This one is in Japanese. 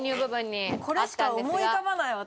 これしか思い浮かばない私。